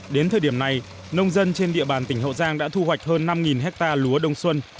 đến thời điểm này nông dân trên địa bàn tỉnh hậu giang đã thu hoạch hơn năm hectare lúa đông xuân